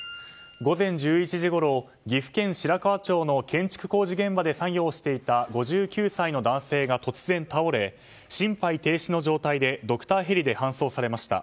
午前１１時ごろ岐阜県白川町の建築工事現場で作業をしていた５９歳の男性が突然、倒れ心肺停止の状態でドクターヘリで搬送されました。